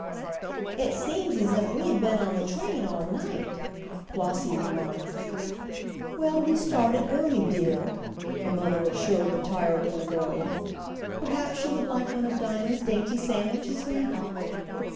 "It seems as if we had been on the train all night," Flossie remarked. "Well, we started early, dear," the mother assured the tired little girl. "Perhaps you would like one of Dinah's dainty sandwiches now?"